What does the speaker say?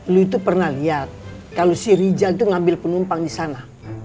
lu itu pernah lihat kalau si rijal itu ngambil penumpang di sana